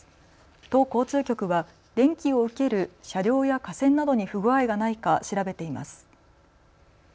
都交通局は電気を受ける車両や架線などに不具合がないか調べています。